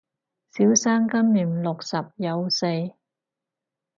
小生今年六十有四